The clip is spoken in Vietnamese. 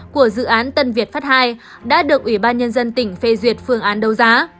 của dự án tân việt pháp ii đã được ủy ban nhân dân tỉnh phê duyệt phương án đấu giá